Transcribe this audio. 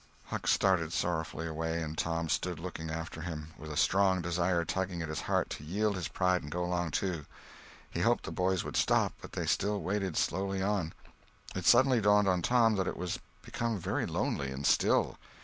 Huck started sorrowfully away, and Tom stood looking after him, with a strong desire tugging at his heart to yield his pride and go along too. He hoped the boys would stop, but they still waded slowly on. It suddenly dawned on Tom that it was become very lonely and still.